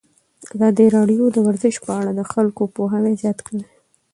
ازادي راډیو د ورزش په اړه د خلکو پوهاوی زیات کړی.